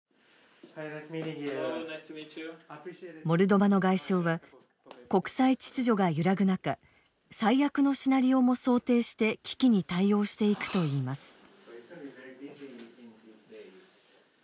モルドバの外相は国際秩序が揺らぐ中最悪のシナリオも想定して危機に対応していくと言います。